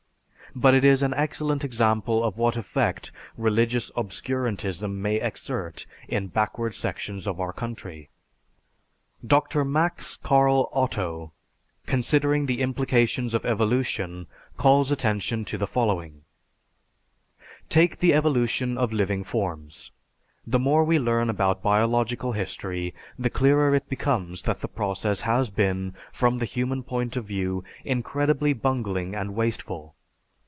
But it is an excellent example of what effect religious obscurantism may exert in backward sections of our country. Dr. Max Carl Otto, considering the implications of evolution, calls attention to the following: "Take the evolution of living forms. The more we learn about biological history the clearer it becomes that the process has been, from the human point of view, incredibly bungling and wasteful.